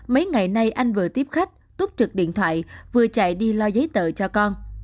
mấy ngày nay anh vừa tiếp khách túp trực điện thoại vừa chạy đi lo giấy tờ cho con